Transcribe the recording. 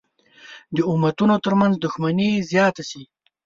د امتونو تر منځ دښمني زیاته شي.